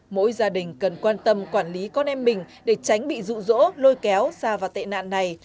mỗi gia đình cần quan tâm quản lý con em mình để tránh bị rụ rỗ lôi kéo xa vào tệ nạn này